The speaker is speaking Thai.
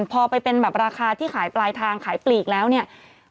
พอไปเป็นแบบราคาที่ขายปลายทางขายปลีกแล้วเนี่ย